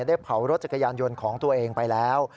ได้เผารถจักรยานยนต์ของตัวเองไปแล้ว